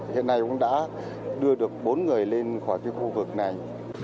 hiện nay cũng đã đưa được bốn người lên khỏi khu vực này